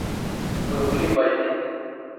Вы были больны?